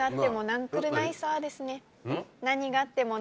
何があっても。